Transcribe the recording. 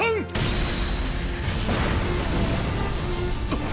あっ！